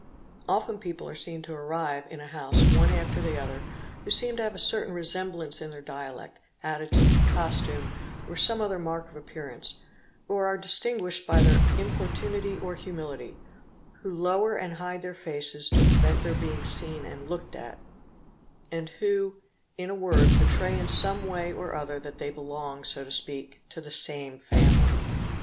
Often people are seen to arrive in a _ house one after the other who seem to have a certain resemblance in their dialect, attitude, costume, or some other mark of appearance, or are iitingnishea by their importunity or humility, who lower and hide their | ces to prevent their being seen and looked at, and who in a word 85 674 THEFT betray in some way or other that they belong, so to speak, to the " same family".